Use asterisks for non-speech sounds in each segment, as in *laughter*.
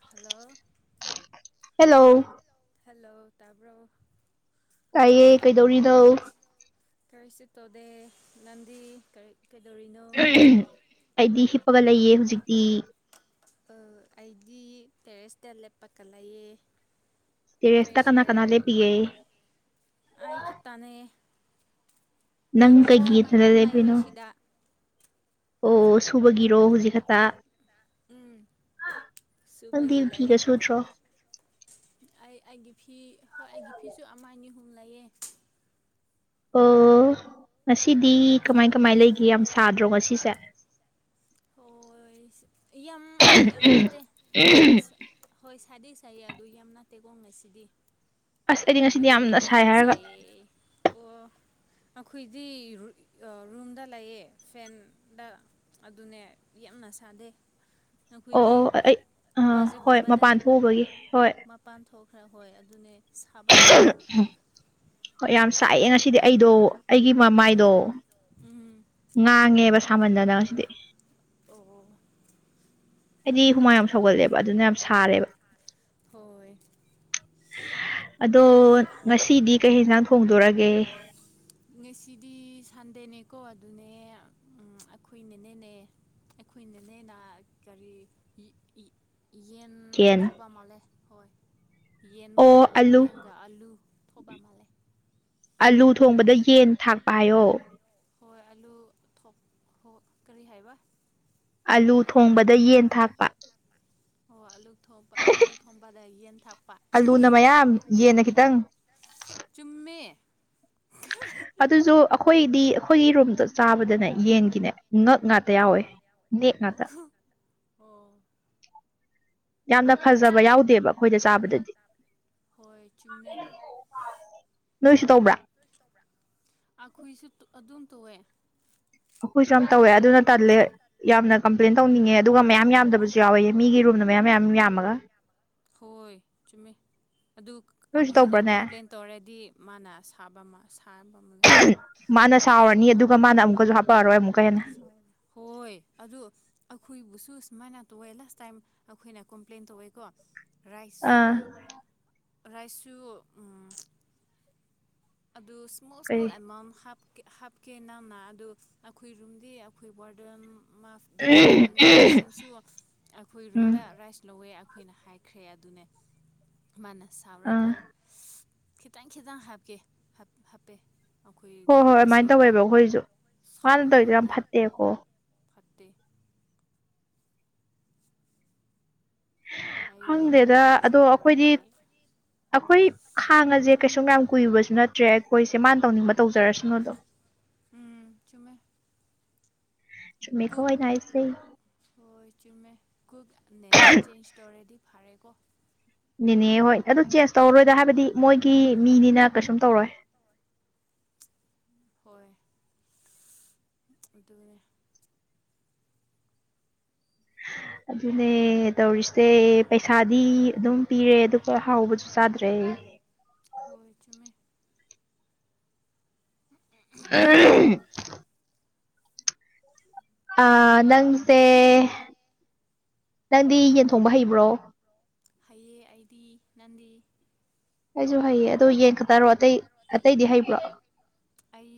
hello hello hello ꯇꯥꯕ꯭ꯔꯣ ꯇꯥꯏꯌꯦ ꯀꯩꯗꯧꯔꯤꯅꯣ ꯀꯔꯤꯁꯨ ꯇꯣꯗꯦ ꯅꯪꯗꯤ ꯀꯔꯤ ꯀꯩꯗꯧꯔꯤꯅꯣ ꯍꯥꯏꯗꯤ ꯍꯤꯞꯄꯒ ꯂꯩꯑ ꯍꯧꯖꯤꯛꯇꯤ ꯑꯩꯗꯤ ꯇꯦꯔꯦꯁꯇ ꯂꯦꯞꯄꯀ ꯂꯩꯌꯦꯦ ꯇꯦꯔꯦꯁꯇ ꯀꯅꯥ ꯀꯅꯥ ꯂꯦꯞꯄꯤꯒꯦ ꯑꯩ ꯈꯇꯥꯅꯦ ꯅꯪ ꯃꯤꯒꯤ ꯐꯤ ꯀꯩꯒꯤ ꯃ ꯅꯊꯟꯗ ꯌꯥꯝ ꯂꯩꯌꯦ ꯂꯦꯞꯄꯤꯅꯣ ꯁꯤꯗ ꯑꯣ ꯁꯨꯕꯒꯤꯔꯣ ꯍꯧꯖꯤꯛ ꯈꯛꯇ ꯎꯝ ꯅꯪꯗꯤ ꯐꯤꯒ ꯁꯨꯕꯒꯤꯂꯑꯦ ꯁꯨꯗ꯭ꯔꯣ ꯑꯩ ꯑꯩꯒꯤ ꯐꯤ ꯍꯣꯏ ꯑꯩꯒꯤ ꯐꯤꯁꯨ ꯑꯃ ꯑꯅꯤ ꯑꯍꯨꯝ ꯂꯩꯌꯦ ꯑꯣ ꯉꯁꯤꯗꯤ ꯀꯃꯥꯏ ꯀꯃꯥꯏ ꯂꯩꯒꯦ ꯌꯥꯝ ꯁꯥꯗ꯭ꯔꯣ ꯉꯁꯤꯁꯦ ꯍ ꯌꯥꯝ ꯌꯥꯝ ꯅꯠꯇꯦ ꯌꯥꯝꯅ ꯍꯣꯏ ꯁꯥꯗꯩ ꯁꯥꯏꯌꯦ ꯑꯗꯨ ꯌꯥꯝ ꯅꯥꯠꯇꯦꯀꯣꯡ ꯉꯁꯤꯗꯤ ꯑꯁ ꯑꯩꯗꯤ ꯉꯁꯤꯗꯤ ꯌꯥꯝꯅ ꯗꯦꯗꯤ ꯁꯥꯏ ꯄ ꯍꯥꯏꯔꯒ ꯄꯨꯖꯩꯩ ꯑꯣ ꯑꯩꯈꯣꯏꯗꯤ ꯔꯨꯝꯗ ꯂꯩꯌꯦ ꯐꯦꯟꯗ ꯑꯗꯨꯅꯦ ꯌꯥꯝꯅ ꯁꯥꯗꯦ ꯑꯣ ꯑꯩꯈꯣꯏꯗꯤ ꯑꯣ ꯑꯩ ꯑꯥ ꯍꯣꯏ ꯕꯥꯖꯦꯛꯒꯨꯝꯕꯗ ꯃꯄꯥꯟ ꯊꯣꯛꯎꯕꯒꯤ ꯍꯣꯏ ꯄꯥꯟ ꯊꯣꯛꯈ꯭ꯔ ꯍꯣꯏ ꯑꯗꯨꯅꯦ ꯁꯥꯕ ꯃꯥꯜꯂꯦ ꯎ ꯍꯣꯏ ꯌꯥꯝ ꯁꯥꯏꯑꯦ ꯉꯁꯤꯗꯤ ꯑꯩꯗꯣ ꯑꯩꯒꯤ ꯃꯃꯥꯏꯗꯣ ꯎꯝ ꯉꯥꯡꯉꯦꯕ ꯁꯥꯃꯟꯗꯅ ꯑꯁꯤꯗꯤ ꯑꯣ ꯑꯩꯗꯤ ꯍꯨꯃꯥꯡ ꯌꯥꯝ ꯁꯧꯒꯠꯂꯦꯕ ꯑꯗꯨꯅ ꯌꯥꯝ ꯁꯥꯔꯦꯕ ꯍꯣꯏ ꯑꯗꯣ ꯉꯁꯤꯗꯤ ꯀꯩ ꯌꯦꯟꯁꯥꯡ ꯊꯣꯡꯗꯣꯔꯒꯦ ꯉꯁꯤꯗꯤ ꯁꯟꯗꯦꯅꯦꯀꯣ ꯑꯗꯨꯅꯦ ꯑꯩꯈꯣꯏꯅꯅꯦꯅꯦ ꯑꯩꯈꯣꯏꯅꯅꯦꯅ ꯀꯔꯤ ꯌꯦꯟ ꯊꯕ ꯃꯥꯜꯂꯦ ꯍꯣꯏ ꯌꯦꯟꯒ ꯑꯣ ꯑꯂꯨ ꯌꯦꯟꯒ ꯑꯂꯨ ꯊꯕ ꯃꯥꯜꯂꯦ ꯑꯂꯨ ꯊꯣꯡꯕꯗ ꯌꯦꯟ ꯊꯥꯛꯄ ꯍꯥꯏꯌꯣ ꯍꯣꯏ ꯑꯂꯨ ꯍꯣ ꯀꯔꯤ ꯍꯥꯏꯕ ꯑꯥꯂꯨ ꯊꯣꯡꯕꯗ ꯌꯦꯟ ꯊꯥꯛꯄ ꯍꯣꯏ ꯑꯂꯨ ꯊ ꯑꯂꯨ ꯊꯣꯝꯕꯗ ꯌꯦꯟ ꯊꯥꯛꯄ ꯌꯦꯟꯅꯈꯤꯇꯪ ꯆꯨꯝꯃꯦ ꯑꯗꯨꯁꯨ ꯑꯩꯈꯣꯏꯗꯤ ꯑꯩꯈꯣꯏꯒꯤ ꯔꯨꯝꯗꯣ ꯆꯥꯕꯗꯅꯦ ꯌꯦꯟꯒꯤꯅꯦ ꯉꯛ ꯉꯥꯛ ꯌꯥꯎꯋꯦ ꯅꯦꯛ ꯉꯥꯛꯇ ꯑꯣ ꯑꯣ ꯌꯥꯝꯗ ꯌꯥꯝꯅ ꯐꯖꯕ ꯌꯥꯎꯗꯦꯕ ꯑꯩꯈꯣꯏꯅ ꯆꯥꯕꯗꯗꯤ ꯍꯣꯏ ꯆꯨꯝꯃꯦ ꯅꯣꯏꯁꯨ ꯇꯧꯕ꯭ꯔꯥ ꯑꯩꯈꯣꯏꯁꯨ ꯑꯗꯨꯝ ꯇꯣꯛꯑꯦ ꯑꯩꯈꯣꯏꯁꯨ ꯌꯥꯝ ꯇꯧꯋꯦ ꯑꯗꯨꯅ ꯇꯜꯂꯦ ꯌꯥꯝꯅ ꯀꯝꯄ꯭ꯂꯦꯟ ꯇꯧꯅꯤꯡꯉꯦ ꯑꯗꯨꯒ ꯃꯌꯥꯝ ꯌꯥꯝꯗꯕꯁꯨ ꯌꯥꯎꯋꯦ ꯃꯤꯒꯤ ꯔꯨꯝꯅ ꯃꯌꯥꯝ ꯃꯌꯥꯝ ꯌꯥꯝꯃꯒ ꯍꯣꯏ ꯆꯨꯝꯃꯦ ꯑꯗꯨ ꯅꯣꯏꯁꯨ ꯑꯩꯈꯣꯏꯅ ꯇꯧꯕ꯭ꯔꯅꯦ ꯀꯣꯝꯄ꯭ꯂꯦꯟ ꯇꯧꯔꯗꯤ ꯃꯥꯅ ꯁꯥꯕ ꯑꯃ ꯁꯥꯕ ꯑꯃ ꯂꯩ ꯃꯥꯅ ꯁꯥꯎꯔꯅꯤ ꯑꯗꯨꯒ ꯃꯥꯅ ꯑꯃꯨꯛꯀꯁꯨ ꯍꯥꯄꯛꯑꯔꯣꯏ ꯑꯃꯨꯛꯀ ꯍꯦꯟꯅ ꯍꯣꯏ ꯑꯗꯨ ꯑꯩꯈꯣꯏꯕꯨꯁꯨ ꯁꯨꯃꯥꯏꯅ ꯇꯧꯋꯦ ꯂꯥꯁ ꯇꯥꯏꯝ ꯑꯩꯈꯣꯏꯅ ꯀꯝꯄ꯭ꯂꯦꯟ ꯇꯧꯋꯦꯀꯣ ꯔꯁꯨ ꯑꯥ ꯉꯥꯁꯥꯏꯁꯨ ꯑꯗꯨ ꯏꯁꯃꯣꯜ ꯏꯁꯃꯣꯜ ꯀꯩ ꯑꯦꯃꯥꯎꯟ ꯍꯥꯞ ꯍꯥꯞꯀꯦ ꯅꯪꯅ ꯑꯗꯨ ꯑꯩꯈꯣꯏ ꯔꯨꯝꯗꯤ ꯑꯩꯈꯣꯏ ꯋꯥꯔꯗꯦꯟ ꯃꯥꯐ ꯒꯤ ꯐꯦꯃꯤꯂꯤꯁꯤꯡꯁꯨ ꯑꯩꯈꯣꯏ ꯎꯝ ꯔꯨꯝꯗ ꯔꯥꯏꯁ ꯂꯧꯋꯦ ꯑꯩꯈꯣꯏꯅ ꯍꯥꯏ ꯈ꯭ꯔꯦ ꯑꯗꯨꯅꯦ ꯃꯥꯅ ꯁꯥꯎꯔꯒ ꯑꯥ ꯈꯤꯇꯪ ꯈꯤꯇꯪ ꯍꯥꯞꯀꯦ ꯍꯥꯞꯄꯦ ꯍꯣꯏ ꯑꯩꯈꯣꯏꯒꯤ ꯍꯣꯏ ꯑꯗꯨꯃꯥꯏꯅ ꯕꯦꯁꯦꯜꯗ ꯇꯧꯋꯦꯕ ꯑꯩꯈꯣꯏꯁꯨ ꯃꯥꯅ ꯁꯥꯎꯔꯦ ꯇꯧꯔꯤꯗꯣ ꯌꯥꯝ ꯍꯥꯏꯗꯤ ꯐꯠꯇꯦꯀꯣ ꯐꯠꯇꯦ ꯑꯩꯗꯤ ꯈꯪꯗꯦꯗ ꯑꯗꯣ ꯁꯥꯎꯔꯦ ꯑꯩꯈꯣꯏꯗꯤ ꯑꯩꯈꯣꯏ ꯈꯥꯡꯉꯁꯦ ꯀꯩꯁꯨꯝ ꯌꯥꯝ ꯀꯨꯏꯕꯁꯨ ꯅꯠꯇ꯭ꯔꯦ ꯑꯩꯈꯣꯏꯁꯦ ꯃꯥꯅ ꯇꯧꯅꯤꯡꯕ ꯇꯧꯖꯔꯁꯅꯨ ꯎꯝ ꯆꯨꯝꯃꯦ ꯆꯨꯝꯃꯦꯀꯣ ꯀꯨꯛ ꯑꯩꯅꯥ ꯍꯥꯏꯁꯦ ꯍꯣꯏ ꯆꯨꯝꯃꯦ ꯀꯣꯛ ꯌꯥꯝꯅꯥꯅꯦ ꯆꯦꯟꯖ ꯇꯧꯔꯗꯤ ꯐꯔꯦꯀꯣ ꯅꯦꯅꯦ ꯍꯣꯏ ꯑꯗꯨ ꯆꯦꯟꯖ ꯇꯧꯔꯔꯣꯏꯗ ꯍꯥꯏꯕꯗꯤ ꯃꯣꯏꯒꯤ ꯃꯤꯅꯤꯅ ꯀꯩꯁꯨꯝ ꯇꯧꯔꯣꯏ ꯍꯣꯏ ꯑꯗꯨꯅꯦ ꯑꯗꯨꯅꯦ ꯇꯧꯔꯤꯁꯦ ꯄꯩꯁꯥꯗꯤ ꯑꯗꯨꯝ ꯄꯤꯔꯦ ꯑꯗꯨꯒ ꯍꯣꯏ ꯍꯥꯎꯕꯁꯨ ꯆꯥꯗ꯭ꯔꯦ ꯑꯩ ꯍꯣꯏ ꯆꯨꯝꯃꯦ ꯑꯍꯝ ꯑꯥ ꯅꯪꯁꯦ ꯅꯪꯗꯤ ꯌꯦꯟ ꯊꯣꯡꯕ ꯍꯩꯕ꯭ꯔꯣ ꯍꯩꯌꯦ ꯑꯩꯗꯤ ꯅꯪꯗꯤ ꯑꯩꯩꯁꯨ ꯍꯩꯕ꯭ꯔꯣ ꯍꯩꯌꯦ ꯑꯗꯣ ꯌꯦꯟ ꯈꯛꯇꯔꯣ ꯑꯇꯩ ꯑꯇꯩꯗꯤ ꯍꯩꯕ꯭ꯔꯣ ꯑꯩ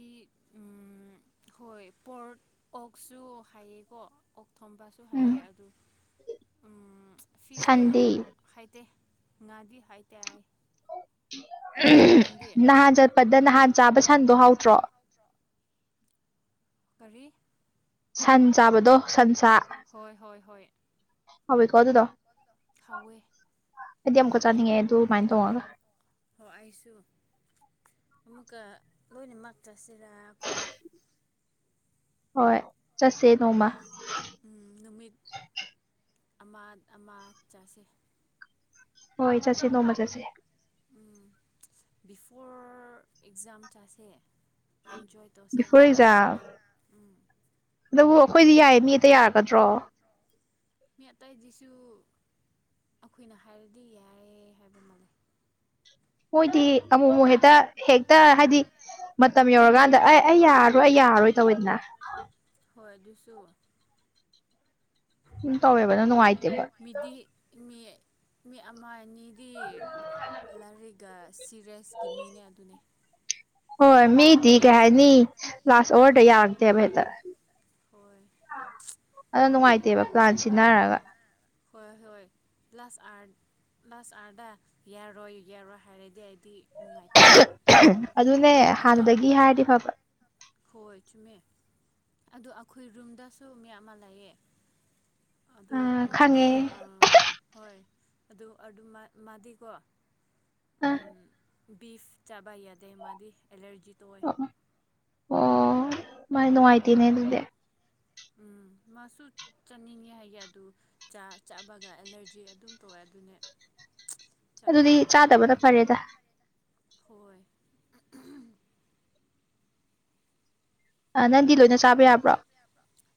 ꯍꯣꯏ ꯄꯣꯔꯛ ꯑꯣꯛꯁꯨ ꯍꯩꯌꯦꯀꯣ ꯑꯣꯛ ꯊꯣꯡꯕꯁꯨ ꯁꯨ ꯎꯝ ꯍꯩꯌꯦ ꯑꯗꯨ ꯎꯝ ꯐꯤꯁ ꯗꯤ ꯁꯟꯗꯤ ꯍꯩꯇꯦ ꯉꯥꯗꯤ ꯍꯩꯇꯦ ꯑꯩ ꯅꯪꯗꯤ ꯅꯍꯥꯟ ꯆꯠꯄꯗ ꯅꯍꯥꯟ ꯆꯥꯕ ꯁꯟꯗꯣ ꯍꯥꯎꯇ꯭ꯔꯣ ꯀꯔꯤ ꯁꯟ ꯆꯥꯕꯗꯣ ꯁꯟꯁꯥ ꯍꯣꯏ ꯍꯣꯏ ꯍꯣꯏ ꯍꯥꯎꯑꯦꯀꯣ ꯑꯗꯨꯗꯣ ꯍꯥꯎꯑꯦ ꯑꯩꯗꯤ ꯑꯃꯨꯛꯀ ꯆꯥꯅꯤꯡꯉꯦ ꯑꯗꯨ ꯑꯗꯨꯃꯥꯏꯅ ꯇꯧꯔꯥꯒ ꯍꯣꯏ ꯑꯩꯁꯨ ꯑꯃꯨꯛꯀ ꯂꯣꯏꯅꯃꯛ ꯆꯠꯁꯤꯔꯥ ꯑꯩꯈꯣꯏ ꯍꯣꯏ ꯆꯠꯁꯦ ꯅꯣꯡꯃ ꯅꯨꯃꯤꯠ ꯑꯃ ꯑꯃ ꯆꯠꯁꯦ ꯍꯣꯏ ꯆꯠꯁꯦ ꯅꯣꯡꯃ ꯆꯠꯁꯦ ꯎꯝ ꯕꯤꯐꯣꯔ ꯑꯦꯛꯖꯥꯝ ꯆꯥꯁꯦ ꯏꯟꯖꯣꯏ ꯇꯧꯁꯦ ꯕꯤꯐꯣꯔ ꯑꯃꯨꯛꯀ ꯑꯦꯛꯖꯥꯝ ꯎꯝ ꯑꯗꯨꯕꯨ ꯑꯩꯈꯣꯏꯗꯤ ꯌꯥꯏ ꯃꯤ ꯑꯇꯩ ꯌꯥꯔꯛꯀꯗ꯭ꯔꯣ ꯃꯤ ꯑꯇꯩꯗꯨꯁꯨ ꯑꯩꯈꯣꯏꯅ ꯍꯥꯏꯔꯗꯤ ꯌꯥꯏ ꯍꯥꯏꯕ ꯃꯥꯜꯂꯦ ꯃꯣꯏꯗꯤ ꯑꯃꯨꯛ ꯑꯃꯨꯛ ꯍꯦꯛꯇ ꯍꯦꯛꯇ ꯍꯥꯏꯗꯤ ꯃꯇꯝ ꯌꯧꯔꯀꯥꯟꯗ ꯑꯦ ꯑꯩ ꯌꯥꯔꯣꯏ ꯑꯩ ꯌꯥꯔꯣꯏ ꯇꯧꯋꯦꯗꯅ ꯍꯣꯏ ꯑꯗꯨꯁꯨ ꯑꯗꯨꯝ ꯇꯧꯋꯦꯕ ꯑꯗꯨꯅ ꯅꯨꯡꯉꯥꯏꯇꯦꯕ ꯃꯤꯗꯤ ꯃꯤ ꯃꯤ ꯑꯃ ꯑꯅꯤꯗꯤ ꯂꯥꯏꯔꯤꯛ ꯇ ꯁꯤꯔꯁꯀꯤ ꯃꯤꯅꯦ ꯑꯗꯨꯅꯦ ꯍꯣꯏ ꯃꯤꯗꯤ ꯀꯩ ꯍꯥꯏꯅꯤ ꯂꯥꯁ ꯑꯋꯥꯔꯗ ꯌꯥꯔꯀꯇꯦꯕ ꯍꯦꯛꯇꯥ ꯍꯣꯏ ꯑꯗꯨꯅ ꯅꯨꯡꯉꯥꯏꯇꯦꯕ ꯄ꯭ꯂꯥꯟ ꯁꯤꯟꯅꯔꯒ ꯍꯣꯏ ꯍꯣꯏ ꯂꯥꯁ ꯑꯋꯥꯔ ꯂꯥꯁ ꯑꯋꯥꯔꯗ ꯌꯥꯔꯣꯏ ꯌꯥꯔꯣꯏ ꯍꯥꯏꯔꯗꯤ ꯑꯩꯗꯤ ꯅꯨꯡꯉꯥꯏꯇꯦ ꯑꯗꯨꯅꯦ ꯑꯗꯨ ꯑꯗꯨ ꯍꯥꯟꯅꯗꯒꯤ ꯍꯥꯏꯔꯗꯤ ꯐꯕ ꯍꯣꯏ ꯆꯨꯝꯃꯦ ꯑꯗꯣ ꯑꯩꯈꯣꯏ ꯔꯨꯝꯗꯁꯨ ꯃꯤ ꯑꯃ ꯂꯩꯌꯦ ꯑꯗꯨ ꯑ ꯃꯥꯗꯤ ꯈꯪꯉꯦ ꯑ ꯍꯣꯏ ꯑꯗꯨ ꯑꯗꯨ ꯃꯥ ꯃꯥꯗꯤꯀꯣ ꯑ ꯎꯝ ꯕꯤꯐ ꯆꯥꯕ ꯌꯥꯗꯦ ꯃꯥꯗꯤ ꯑꯦꯂꯔꯖꯤ ꯇꯧꯋꯦ ꯑꯣ ꯑꯣ ꯃꯥꯏ ꯅꯨꯡꯉꯥꯏꯇꯦꯅꯦ ꯑꯗꯨꯗꯤ ꯎꯝ ꯃꯥꯁꯨ ꯆꯠꯅꯤꯡꯉꯦ ꯍꯥꯏꯌꯦ ꯑꯗꯨ ꯆꯥ ꯆꯥꯕꯒ ꯑꯦꯂꯔꯖꯤ ꯑꯗꯨꯝ ꯇꯧꯋꯦ ꯑꯗꯨꯅꯦ *inaudible* ꯆꯥꯕ ꯌꯥꯗꯦ ꯆꯥꯗꯕꯅ ꯐꯔꯦꯗ ꯍꯣꯏ ꯑ ꯅꯪꯗꯤ ꯂꯣꯏꯅ ꯆꯥꯕ ꯌꯥꯕ꯭ꯔꯣ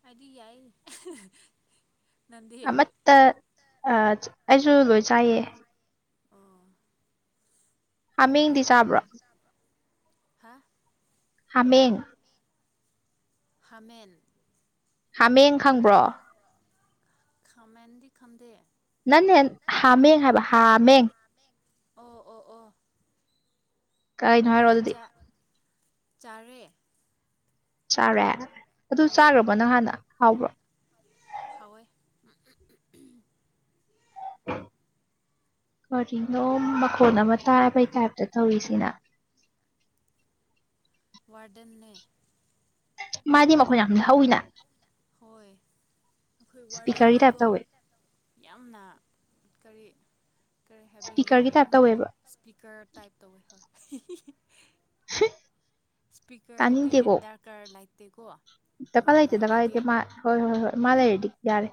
ꯑꯩꯗꯤ ꯌꯥꯏꯌꯦ ꯑꯃꯠꯇ ꯑꯩꯁꯨ ꯂꯣꯏ ꯆꯥꯏꯌꯦ ꯑꯣ ꯍꯥꯃꯦꯡꯗꯤ ꯆꯥꯕ꯭ꯔꯣ ꯍꯥꯥ ꯍꯥꯃꯦꯡ ꯍꯥꯃꯦꯟ ꯍꯥꯃꯦꯡ ꯈꯪꯕ꯭ꯔꯣ ꯈꯥꯃꯦꯟꯗꯤ ꯈꯝꯗꯦ ꯅꯪ ꯍꯦ ꯍꯥꯃꯦꯡ ꯍꯥꯏꯕ ꯍꯥꯃꯦꯡ ꯑꯣ ꯑꯣ ꯑꯣ ꯀꯩꯅꯣ ꯍꯥꯏꯔꯣ ꯍꯣꯏ ꯑꯗꯨꯗꯤ ꯆꯥꯔꯦ ꯆꯥꯔꯦ ꯑꯗꯨ ꯆꯥꯈ꯭ꯔꯕꯣ ꯅꯪ ꯍꯥꯟꯅ ꯍꯥꯎꯕ꯭ꯔꯣ ꯍꯋꯦ ꯀꯔꯤꯅꯣ ꯃꯈꯣꯟ ꯑꯃ ꯇꯥꯕꯩ ꯇꯥꯏꯞꯇ ꯇꯧꯔꯤꯁꯤꯅ ꯋꯥꯔꯗꯟꯅꯦ ꯃꯥꯗꯤ ꯃꯈꯣꯟ ꯌꯥꯝ ꯍꯧꯋꯤꯅ ꯍꯣꯏ ꯑꯩꯈꯣꯏ ꯏꯁꯄꯤꯀꯔꯒꯤ ꯇꯥꯏꯞ ꯋꯥꯔꯗꯦꯟꯗꯤꯀꯣ ꯇꯧꯋꯦ ꯌꯥꯝꯅ ꯀꯔꯤ ꯀꯔꯤ ꯍꯥꯏꯕꯤꯒꯦ ꯏꯁꯄꯤꯀꯔꯒꯤ ꯇꯥꯏꯞ ꯌꯥꯝꯅ ꯇꯧꯋꯦꯕ ꯏꯁꯄꯤꯀꯔ ꯇꯥꯏꯞ ꯇꯧꯋꯦ ꯍꯤ ꯁꯤ ꯏꯁꯄꯤꯀꯔꯗꯤ ꯗꯥꯔꯀꯥꯔ ꯂꯩꯇꯦꯀꯣ ꯗꯀꯥ ꯃꯥ ꯂꯩꯇꯦ ꯗꯀꯥ ꯂꯩꯔꯗꯤ ꯂꯩꯇꯦ ꯍꯣꯏ ꯍꯣꯏ ꯍꯣꯏ ꯃꯥ ꯂꯩꯔꯗꯤ ꯌꯥꯔꯦ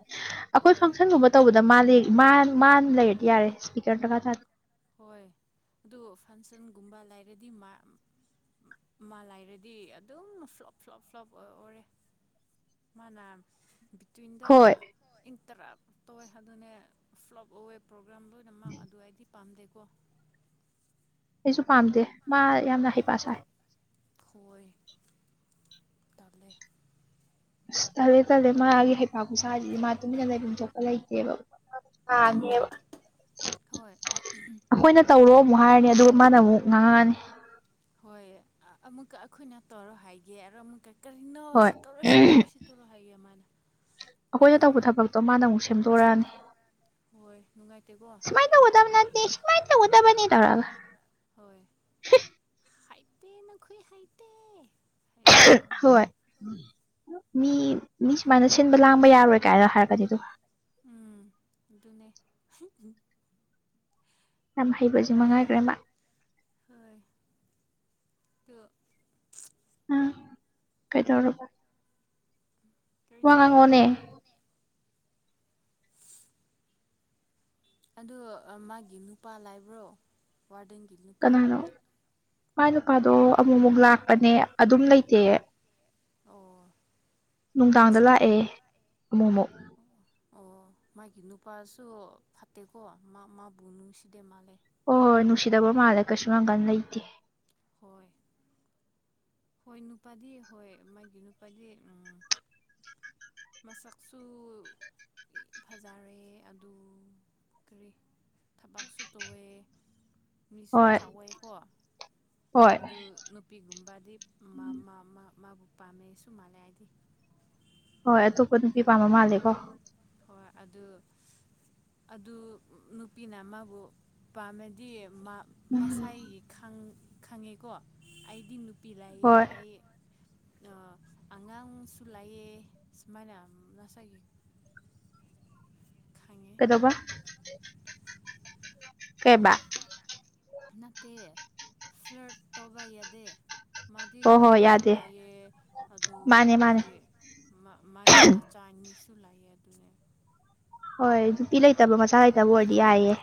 ꯑꯩꯈꯣꯏ ꯍꯣꯏ ꯐꯪꯁꯟꯒꯨꯝꯕ ꯇꯧꯕꯗ ꯃꯥ ꯃꯥꯅ ꯂꯩꯔꯗꯤ ꯌꯥꯔꯦ ꯏꯁꯄꯤꯀꯔ ꯁꯨꯡꯊꯥ ꯊꯥꯗꯦ ꯍꯣꯏ ꯑꯗꯨ ꯐꯪꯁꯟꯒꯨꯝꯕ ꯂꯩꯔꯗꯤ ꯃꯥ ꯃꯥ ꯂꯥꯏꯔꯗꯤ ꯑꯗꯨꯝ ꯁ꯭ꯂꯣꯞ ꯁ꯭ꯂꯣꯞ ꯁ꯭ꯂꯣꯞ ꯑꯣꯏꯔꯦ ꯃꯥꯅ ꯕꯤꯇ꯭ꯋꯤꯟ ꯗ ꯍꯣꯏ ꯏꯟꯇꯔꯞ ꯇꯧꯋꯦ ꯍꯥꯏꯗꯨꯅꯦ ꯐ꯭ꯂꯣꯞ ꯑꯋꯦ ꯄ꯭ꯔꯣꯒꯥ꯭ꯔꯥꯝ ꯂꯣꯏꯅꯃꯛ ꯑꯗꯨꯑꯩꯗꯤ ꯄꯥꯝꯗꯦꯀꯣ ꯑꯩꯁꯨ ꯄꯥꯝꯗꯦ ꯃꯥ ꯌꯥꯝꯅ ꯍꯩꯄꯥ ꯁꯥꯏ ꯍꯣꯏ ꯇꯕꯂꯦ ꯑꯁ ꯇꯜꯂꯦ ꯇꯜꯂꯦ ꯃꯥꯒꯤ ꯍꯩꯐꯥꯛ ꯈꯨꯁꯥꯁꯤꯗꯤ ꯃꯥ ꯇꯨꯃꯤꯟꯅ ꯂꯩꯐꯝ ꯊꯣꯛꯄ ꯂꯩꯇꯦꯕ ꯎꯝ ꯁꯥꯅꯦꯕ ꯍꯣꯏ ꯑꯩꯈꯣꯏꯅ ꯇꯧꯔꯣ ꯑꯩꯈꯣꯏꯅ ꯇꯧꯔꯣ ꯑꯃꯨꯛ ꯍꯥꯏꯔꯅꯤ ꯑꯗꯨꯒ ꯍꯥꯏ ꯃꯥꯅ ꯑꯗꯨ ꯑꯃꯨꯛ ꯏ ꯃꯥꯅ ꯉꯥꯡꯉꯛꯑꯅꯤ ꯍꯣꯏ ꯑꯃꯨꯛꯀ ꯑꯩꯈꯣꯏꯅ ꯇꯧꯔꯣ ꯍꯥꯏꯒꯦ ꯑꯣ ꯑꯃꯨꯛꯀ ꯭ ꯀꯔꯤ ꯅꯣ ꯁꯤ ꯍꯣꯏ ꯇꯧꯔꯣꯏ ꯁꯤ ꯇꯧꯔꯣꯏ ꯁꯤ ꯇꯧꯔꯣꯏ ꯍꯥꯏꯌꯦ ꯃꯥꯅ ꯑꯗꯨ ꯍꯥꯏ ꯑꯗꯣ ꯃꯥꯅ ꯑꯃꯨꯛ ꯁꯦꯝꯗꯣꯔꯛꯑꯅꯤ ꯍꯣꯏ ꯅꯨꯡꯉꯥꯏꯇꯦꯀꯣ ꯑꯗꯨꯃꯥꯏ ꯇꯧꯗꯣꯏ ꯅꯠꯇꯦ ꯁꯤꯃꯥꯏ ꯇꯧꯒꯗꯕꯅꯤ ꯊꯧꯔꯛꯑꯒ ꯍꯣꯏ ꯍꯩꯇꯦꯅꯈꯣꯏ ꯍꯩꯇꯦ ꯍꯣꯏ ꯃꯤ ꯃꯤ ꯁꯨꯃꯥꯏꯅ ꯁꯤꯟꯕ ꯂꯥꯡꯕ ꯌꯥꯔꯣꯏ ꯀꯥꯏꯅ ꯍꯥꯏꯔꯛꯀꯅꯤ ꯑꯗꯨꯒ ꯎꯝ ꯑꯗꯨꯅꯦ ꯌꯥꯝ ꯍꯩꯕꯁꯤ ꯃꯉꯥꯏꯈ꯭ꯔꯦ ꯃꯥ ꯍꯣꯏ ꯇꯨ ꯑꯥ ꯀꯩꯗꯧꯔꯕꯣ ꯀꯔꯤꯁꯨ ꯇꯣꯗꯦ ꯉꯥꯡꯉꯣꯅꯦ ꯑꯣ ꯃꯥꯒꯤ ꯅꯨꯄꯥ ꯂꯕ꯭ꯔꯣ ꯋꯥꯔꯗꯥꯟꯒꯤ ꯀꯅꯥꯅꯣ ꯃꯥꯏ ꯅꯨꯄꯥꯗꯣ ꯑꯃꯨꯛ-ꯃꯨꯛ ꯂꯥꯛꯄꯅꯦ ꯑꯗꯨꯝ ꯂꯩꯇꯦꯌꯦ ꯑꯣ ꯅꯨꯡꯗꯥꯡꯗ ꯂꯥꯛꯑꯦ ꯑꯃꯨꯛ ꯑꯃꯨꯛ ꯑꯣ ꯃꯥꯒꯤ ꯅꯨꯄꯥꯁꯨ ꯐꯠꯇꯦꯀꯣ ꯃꯥ ꯃꯥꯕꯨ ꯅꯨꯡꯁꯤꯗꯦ ꯃꯥꯜꯂꯦ ꯍꯣꯏ ꯍꯣꯏ ꯅꯨꯡꯁꯤꯗꯕ ꯃꯥꯜꯂꯦ ꯀꯩꯁꯨ ꯅꯥ ꯀꯥꯟ ꯂꯩꯇꯦ ꯍꯣꯏ ꯍꯣꯏ ꯅꯨꯄꯥꯗꯤ ꯍꯣꯏ ꯃꯥꯒꯤ ꯅꯨꯄꯥꯗꯤ ꯎꯝ ꯃꯁꯛꯁꯨ ꯐꯖꯔꯦ ꯑꯗꯨ ꯀꯔꯤ ꯊꯕꯛꯁꯨ ꯇꯧꯑꯦ ꯃꯤꯁꯨ ꯍꯣꯏ ꯆꯥꯎꯋꯦꯀꯣ ꯍꯣꯏ ꯑꯗꯨ ꯅꯨꯄꯤꯒꯨꯝꯕꯗꯤ ꯃꯥꯕꯨ ꯄꯥꯝꯃꯦ ꯁꯁꯨ ꯃꯥꯜꯂꯦ ꯍꯥꯏꯗꯤ ꯍꯣꯏ ꯑꯇꯣꯞꯄ ꯅꯨꯄꯤ ꯄꯥꯝꯕ ꯃꯥꯜꯂꯦꯀꯣ ꯍꯣꯏ ꯑꯗꯨ ꯑꯗꯨ ꯅꯨꯄꯤꯅ ꯃꯥꯕꯨ ꯄꯥꯝꯃꯦꯗꯤ ꯎꯝ ꯉꯁꯥꯏꯒꯤ ꯈꯪꯉꯦꯀꯣ ꯑꯩꯗꯤ ꯅꯨꯄꯤ ꯂꯥꯛꯑꯦ ꯍꯣꯏ ꯑꯩ ꯑꯉꯥꯡꯁꯨ ꯂꯥꯛꯑꯦ ꯁꯨꯃꯥꯏꯅ ꯉꯁꯥꯏꯒꯤ ꯈꯪꯉꯦ ꯀꯩꯗꯧꯕ ꯀꯩꯕꯥ ꯅꯠꯇꯦ ꯐ꯭ꯂꯔꯠ ꯇꯧꯕ ꯌꯥꯗꯦ ꯃꯥꯗꯤ ꯍꯣꯏ ꯍꯣꯏ ꯅꯨꯄꯤꯁꯨ ꯌꯥꯗꯦ ꯂꯥꯛꯑꯦ ꯑꯗꯨ ꯃꯥꯅꯦ ꯃꯥꯅꯦ ꯀꯔꯤ ꯃꯥꯒꯤ ꯃꯆꯥ ꯑꯅꯤꯁꯨ ꯂꯥꯛꯑꯦ ꯑꯗꯨꯅꯦ ꯍꯣꯏ ꯅꯨꯄꯤ ꯂꯩꯇꯕ ꯃꯆꯥ ꯂꯩꯇꯕ ꯑꯣꯏꯔꯗꯤ ꯌꯥꯏꯌꯦ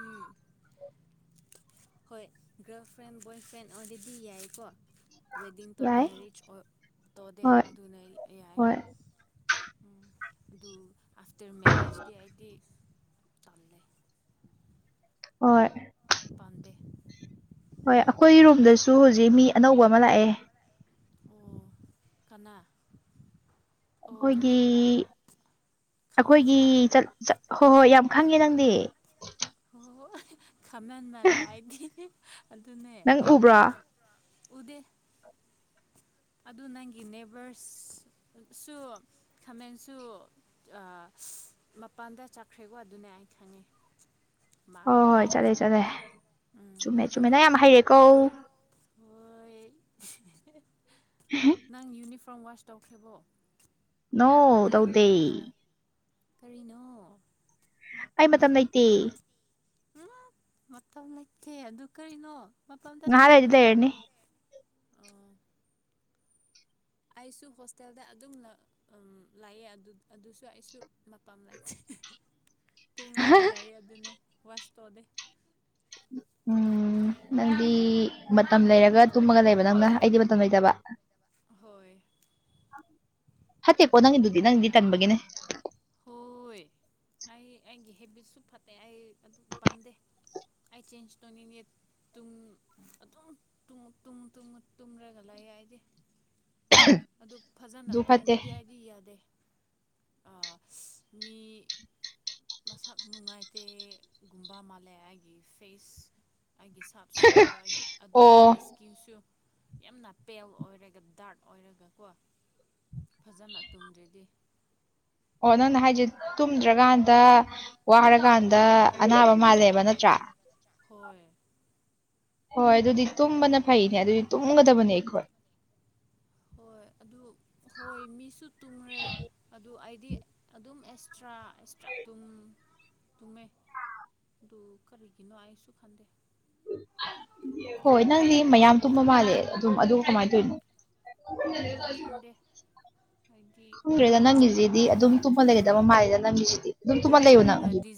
ꯎꯝ ꯍꯣꯏ ꯒꯥꯔꯜ ꯐ꯭ꯔꯦꯟ ꯕꯣꯏ ꯐ꯭ꯔꯦꯟ ꯑꯣꯜꯔꯦꯗꯤ ꯌꯥꯏꯀꯣ ꯋꯦꯗꯤꯡ ꯌꯥꯏ ꯃꯦꯔꯤꯖ ꯇꯧꯗꯦ ꯍꯣꯏ ꯑꯗꯨꯅ ꯌꯥꯏꯑꯦ ꯍꯣꯏ ꯎꯝ ꯑꯗꯨ ꯑꯐꯇꯔ ꯃꯦꯔꯦꯖꯗꯤ ꯍꯥꯏꯗꯤ ꯆꯜꯂꯦ ꯍꯥꯏ ꯄꯝꯗꯦ ꯍꯣꯏ ꯑꯩꯈꯣꯏ ꯔꯨꯝꯗꯁꯨ ꯍꯧꯖꯤꯛ ꯃꯤ ꯑꯅꯧꯕ ꯑꯃ ꯂꯥꯛꯑꯦ ꯑꯣ ꯀꯅꯥ ꯑꯣ ꯑꯩꯈꯣꯏꯒꯤ ꯃꯤ ꯑꯩꯈꯣꯏꯒꯤ ꯈꯥꯃꯦꯟꯔꯥ ꯆꯛ ꯆꯛꯍꯣꯏ ꯍꯣꯏ ꯌꯥꯝ ꯈꯪꯉꯦ ꯅꯪꯗꯤ ꯍꯣꯏ ꯍꯣꯏ ꯈꯥꯃꯦꯟ ꯃꯥꯜꯂꯦ ꯑꯩꯗꯤꯅꯦ ꯑꯗꯨꯅꯦ ꯅꯪ ꯎꯕ꯭ꯔꯣ ꯎꯗꯦ ꯑꯗꯨ ꯅꯪꯒꯤ ꯅꯦꯕꯔꯁ ꯁꯨ ꯈꯥꯃꯦꯟꯁꯨ ꯃꯄꯥꯟꯗ ꯆꯥꯈ꯭ꯔꯦꯀꯣ ꯑꯗꯨꯅꯦ ꯑꯩ ꯈꯪꯉꯤ ꯃꯥ ꯍꯣꯏ ꯃꯥ ꯃꯥꯂꯦ ꯎꯝ ꯁꯨꯃꯤꯅꯥ ꯌꯥꯝ ꯍꯩꯔꯦꯀꯣ ꯍꯣꯏ ꯎꯝ ꯅꯪ ꯌꯨꯅꯤꯐꯣꯔꯝ ꯋꯥꯁ ꯇꯧꯈ꯭ꯔꯦꯕꯣ ꯅꯣ ꯇꯧꯗꯦ ꯀꯔꯤꯅꯣ ꯑꯩ ꯃꯇꯝ ꯂꯩꯇꯦ ꯎ ꯃꯇꯝ ꯂꯩꯇꯦ ꯑꯗꯨ ꯀꯔꯤꯅꯣ ꯃꯇꯝꯇ ꯉꯥꯏꯍꯥꯛ ꯂꯩꯔꯗꯤ ꯆꯥꯈ꯭ꯔꯦꯅ ꯂꯩꯔꯅꯤ ꯑꯥ ꯑꯩꯁꯨ ꯍꯣꯁꯇꯦꯜꯗ ꯑꯗꯨꯝ ꯂ ꯂꯥꯛꯑꯦ ꯑꯗꯨꯁꯨ ꯑꯩꯁꯨ ꯃꯄꯥꯝ ꯂꯥꯛꯇꯦ ꯇꯨꯝꯔꯒ ꯂꯩꯌꯦ ꯑꯗꯨꯅꯦ ꯋꯥꯁ ꯇꯣꯗꯦ ꯎꯝ ꯅꯪꯗꯤ ꯃꯇꯝ ꯂꯩꯔꯒ ꯇꯨꯝꯃꯒ ꯂꯩꯕ ꯅꯪꯅ ꯑꯩꯗꯤ ꯃꯇꯝ ꯂꯩꯇꯕ ꯍꯣꯏ ꯐꯠꯇꯦꯀꯣ ꯅꯪ ꯑꯗꯨꯗꯤ ꯅꯪꯗꯤ ꯇꯟꯕꯒꯤꯅꯦ ꯍꯣꯏ ꯑꯩ ꯑꯩꯒꯤ ꯍꯦꯕꯤꯠꯁꯨ ꯐꯠꯇꯦ ꯑꯩ ꯑꯗꯨ ꯄꯥꯝꯗꯦ ꯑ ꯆꯦꯟꯁꯇꯣꯟ ꯅꯤꯌꯦ ꯇꯨꯝ ꯑꯗꯨꯝ ꯇꯨꯝ ꯇꯨꯝ ꯇꯨꯝꯔꯒ ꯂꯩꯌꯦ ꯑꯩꯗꯤ ꯑꯗꯨ ꯐꯖꯅ ꯑꯗꯨ ꯐꯠꯇꯦ ꯇꯨꯡꯗꯗꯤ ꯑꯩꯗꯤ ꯌꯥꯗꯦ ꯑ ꯃꯤ ꯃꯁꯛ ꯅꯨꯡꯉꯥꯏꯇꯦꯒꯨꯝꯕ ꯃꯥꯜꯂꯦ ꯑꯩꯒꯤ ꯐꯦꯁ ꯑꯩꯒꯤ ꯁꯥꯞꯁꯨ ꯑꯣ ꯑꯩꯒꯤ ꯑꯣ ꯑꯗꯨꯗ ꯑꯩꯒꯤ ꯏꯁꯀꯤꯡꯁꯨ ꯌꯥꯝꯅ ꯄꯦꯜ ꯑꯣꯏꯔꯒ ꯗꯥꯔꯛ ꯑꯣꯏꯔꯒꯀꯣ ꯐꯖꯅ ꯇꯨꯝꯗ꯭ꯔꯗꯤ ꯑꯣ ꯅꯪꯅ ꯍꯥꯏꯁꯦ ꯇꯨꯝꯗ꯭ꯔꯀꯥꯟꯗ ꯋꯥꯔꯀꯥꯟꯗ ꯑꯅꯥꯕ ꯃꯥꯜꯂꯦꯕ ꯅꯠꯇ꯭ꯔꯥ ꯍꯣꯏ ꯍꯣꯏ ꯑꯗꯨꯗꯤ ꯇꯨꯝꯕꯅ ꯐꯩꯅꯦ ꯑꯗꯨꯗꯤ ꯇꯨꯝꯒꯗꯕꯅꯦ ꯑꯩꯈꯣꯏ ꯍꯣꯏ ꯑꯗꯨ ꯍꯣꯏ ꯃꯤꯁꯨ ꯇꯨꯡꯔꯦ ꯑꯗꯨ ꯑꯩꯗꯤ ꯑꯗꯨꯝ ꯑꯦꯛꯁꯇ꯭ꯔꯥ ꯑꯦꯛꯁꯇ꯭ꯔꯥ ꯑꯗꯨꯝ ꯇꯨꯝꯃꯦ ꯑꯗꯨ ꯀꯔꯤꯒꯤꯅꯣ ꯑꯩꯁꯨ ꯈꯟꯗꯦ ꯍꯣꯏ ꯅꯪꯗꯤ ꯃꯌꯥꯝ ꯇꯨꯝꯕ ꯃꯥꯜꯂꯦ ꯑꯗꯨꯝ ꯑꯗꯨ ꯀꯃꯥꯏꯅ ꯇꯧꯔꯤꯅꯣ ꯍꯣꯏ ꯈꯟꯗꯦ ꯍꯥꯏꯗꯤ ꯈꯪꯈ꯭ꯔꯦꯗ ꯅꯪꯒꯤꯁꯤꯗꯤ ꯑꯗꯨꯝ ꯇꯨꯝꯃ ꯂꯩꯒꯗꯕ ꯃꯥꯜꯂꯦꯗ ꯅꯪꯒꯤꯁꯤꯗꯤ ꯑꯗꯨꯝ ꯇꯨꯝꯃ ꯂꯩꯌꯣ ꯅꯪ ꯑꯗꯨ ꯇꯨꯝꯔꯒꯗꯤ